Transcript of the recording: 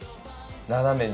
斜めに。